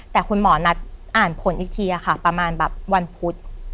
แต่คุณหมอนัดอ่านผลอีกทีค่ะประมาณแบบวันพุธ